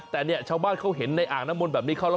แต่เนี่ยชาวบ้านเขาเห็นในอ่างน้ำมนต์แบบนี้เขาแล้ว